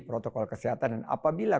protokol kesehatan dan apabila